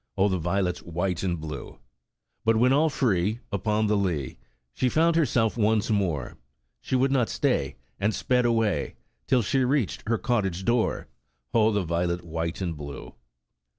Oh, the violet, white and blue! But when all free Upon the lea, She found herself once more, She would not stay. And sped away, Till she reached her cottage door. Oh, the violet, white and blue!